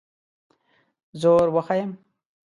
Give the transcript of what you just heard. زور وښیم.